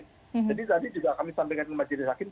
jadi tadi juga kami sampaikan ke majelis hakim